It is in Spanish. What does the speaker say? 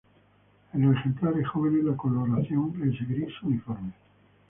En los ejemplares jóvenes la coloración es gris uniforme.